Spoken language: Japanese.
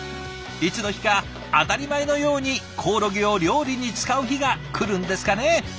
いつの日か当たり前のようにコオロギを料理に使う日が来るんですかね。